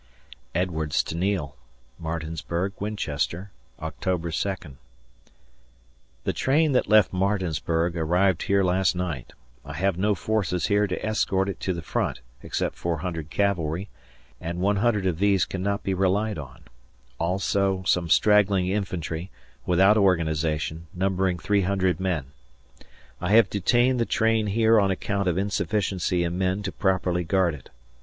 [Edwards to Neil] Martinsburg Winchester, Oct. 2d. The train that left Martinsburg arrived here last night. I have no forces here to escort it to the front, except 400 cavalry (and 100 of these cannot be relied on); also, some straggling infantry, without organization, numbering 300 men. I have detained the train here on account of insufficiency in men to properly guard it.